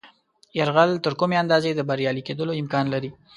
یرغل تر کومې اندازې د بریالي کېدلو امکان لري.